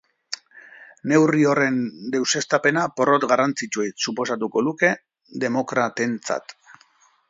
Neurri horren deuseztapena porrot garrantzitsua suposatuko luke demokratentzat.